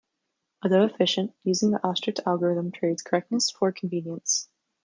Although efficient, using the Ostrich algorithm trades correctness for convenience.